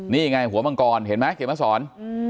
นี่ไงหัวมังกรเห็นไหมเกษมศร